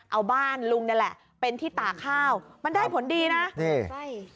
เอาบ้านลุงนี่แหละเป็นที่ตากข้าวมันได้ผลดีนะนี่ใช่